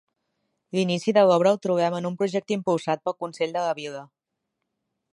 L'inici de l'obra el trobem en un projecte impulsat pel consell de la vila.